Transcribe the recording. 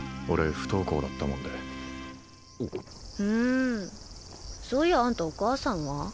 不登校だったもんでふんそういやあんたお母さんは？